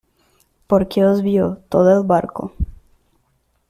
porque os vio todo el barco.